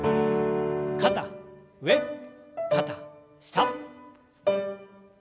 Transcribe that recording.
肩上肩下。